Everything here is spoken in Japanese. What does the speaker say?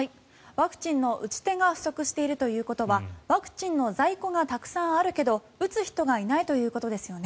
ワクチンの打ち手が不足しているということはワクチンの在庫がたくさんあるけど打つ人がいないということですよね。